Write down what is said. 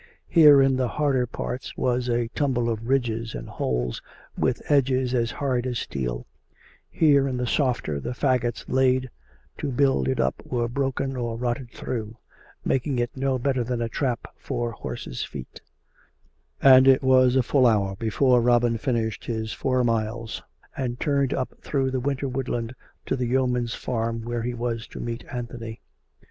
Here in the harder parts was a tumble of ridges 28 COME RACK! COME ROPE! and holes, with edges as hard as steel; here in the softer, the faggots laid to build it up were broken or rotted through, making it no better than a trap for horses' feet; and it was a full hour before Robin finished his four miles and turned up through the winter woodland to the yeoman's farm where he was to meet Anthony.